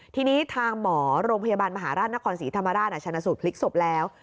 ทีนี้ทางหมอโรงพยาบาลมหาราชนสูตรพลิกศพแล้ว